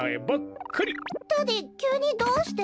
ダディきゅうにどうして？